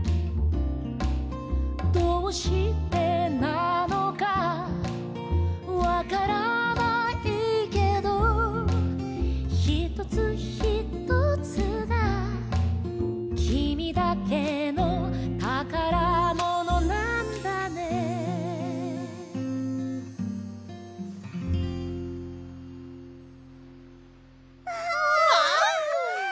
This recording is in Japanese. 「どうしてなのかわからないけど」「ひとつひとつがきみだけのたからものなんだね」わい！